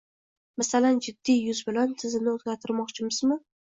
Masalan, jiddiy yuz bilan, tizimni o‘zgartirmoqchimizmi